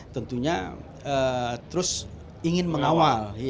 tentunya terus ingin mengawal